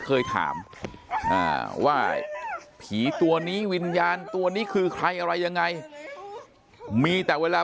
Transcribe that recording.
เคยถามว่าผีตัวนี้วิญญาณตัวนี้คือใครอะไรยังไงมีแต่เวลา